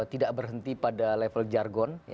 tidak berhenti pada level jargon